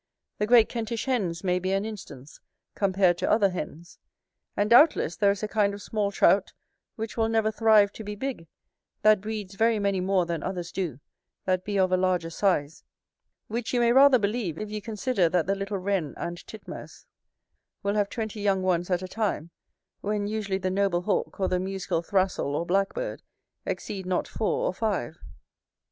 The great Kentish hens may be an instance, compared to other hens: and, doubtless, there is a kind of small Trout, which will never thrive to be big; that breeds very many more than others do, that be of a larger size: which you may rasher believe, if you consider that the little wren and titmouse will have twenty young ones at a time, when, usually, the noble hawk, or the musical thrassel or blackbird, exceed not four or five.